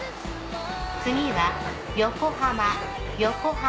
次は横浜横浜。